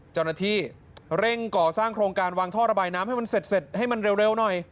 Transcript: จาวนาทิเร่งก่อสร้างโครงการวางท่อระบายน้ำให้มันเร็วหน่อย